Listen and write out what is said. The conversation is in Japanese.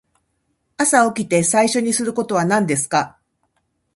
朝起きて最初にすることは何ですか。